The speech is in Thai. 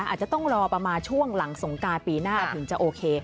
อาจจะต้องรอประมาณช่วงหลังสงการปีหน้าถึงจะโอเค